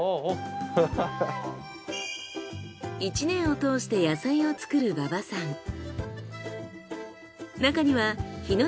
１年を通して野菜を作る馬場さん。